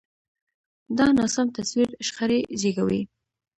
دا ناسم تصور شخړې زېږوي.